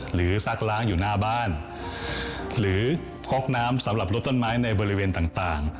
ซักล้างอยู่หน้าบ้านหรือก๊อกน้ำสำหรับรถต้นไม้ในบริเวณต่าง